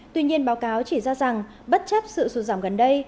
tuy nhiên báo cáo chỉ ra rằng bất chấp sự sụt giảm gần đây